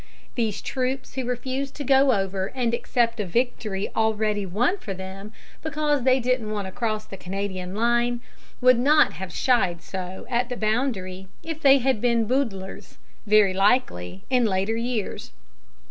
These troops who refused to go over and accept a victory already won for them, because they didn't want to cross the Canadian line, would not have shied so at the boundary if they had been boodlers, very likely, in later years.